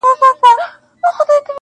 کوم ظالم چي مي غمی را څه پټ کړی,